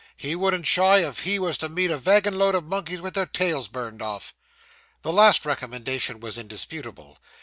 he wouldn't shy if he was to meet a vagin load of monkeys with their tails burned off.' The last recommendation was indisputable.